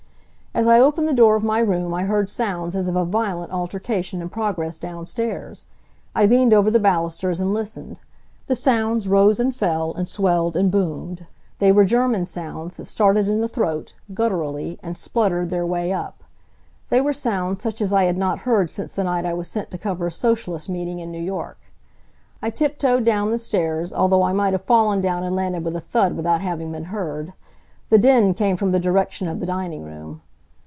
As I opened the door of my room I heard sounds as of a violent altercation in progress downstairs. I leaned over the balusters and listened. The sounds rose and fell and swelled and boomed. They were German sounds that started in the throat, gutturally, and spluttered their way up. They were sounds such as I had not heard since the night I was sent to cover a Socialist meeting in New York. I tip toed down the stairs, although I might have fallen down and landed with a thud without having been heard. The din came from the direction of the dining room.